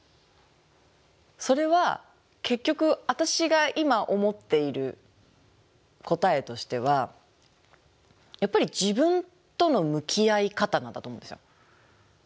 それは結局私が今思っている答えとしてはやっぱり自分との向き合い方なんだと思うんですよ。